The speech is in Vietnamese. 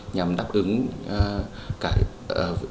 nhằm đáp ứng cả yêu cầu cả về đào tạo về bảo tàng